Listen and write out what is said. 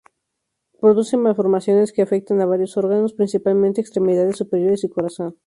Produce malformaciones que afectan a varios órganos, principalmente extremidades superiores y corazón.